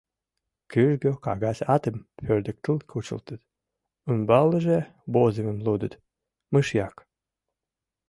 Кӱжгӧ кагаз атым пӧрдыктыл кучылтыт, ӱмбалныже возымым лудыт: «Мышьяк.